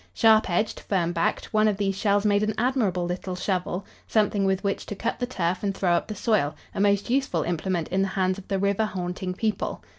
Sharp edged, firm backed, one of these shells made an admirable little shovel, something with which to cut the turf and throw up the soil, a most useful implement in the hands of the river haunting people.